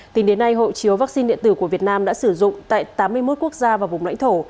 tính đến nay hộ chiếu vaccine điện tử của việt nam đã sử dụng tại tám mươi một quốc gia và vùng lãnh thổ